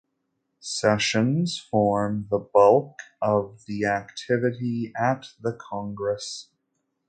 Sessions form the bulk of the activity at the Congress.